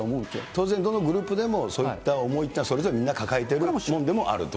当然どのグループでもそういった思いというのは、それぞれみんな抱えているものでもあると。